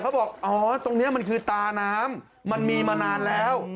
บอกอ๋อตรงนี้มันคือตาน้ำมันมีมานานแล้ว